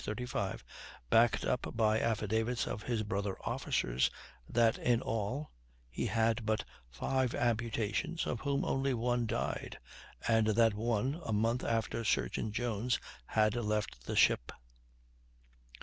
35), backed up by affidavits of his brother officers, that in all he had but five amputations, of whom only one died, and that one, a month after Surgeon Jones had left the ship.